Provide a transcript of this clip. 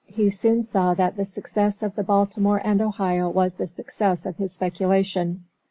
He soon saw that the success of the Baltimore and Ohio was the success of his speculation.